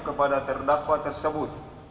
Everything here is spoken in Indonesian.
kepada terdakwa tersebut